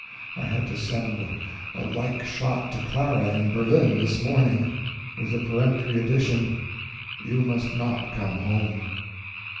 I had to send a like shot to Clara, in Berlin, this morning. With the peremptory addition, "You must not come home."